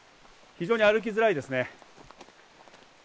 非常に歩きづらいですね。